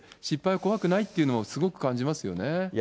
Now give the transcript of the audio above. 失敗は怖くないっていうのをすごく感じますよね。